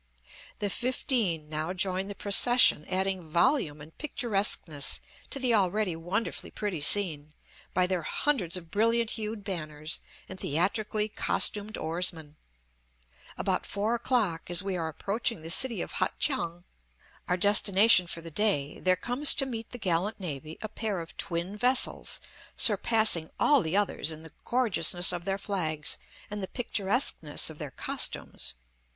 The fifteen now join the procession, adding volume and picturesqueness to the already wonderfully pretty scene, by their hundreds of brilliant hued banners, and theatrically costumed oarsmen. About four o'clock, as we are approaching the city of Hat kiang, our destination for the day, there comes to meet the gallant navy a pair of twin vessels surpassing all the others in the gorgeousness of their flags and the picturesqueness of the costumes.